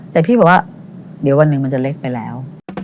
แต่พี่บอกว่าเดี๋ยววันหนึ่งมันจะเล็กไปแล้ว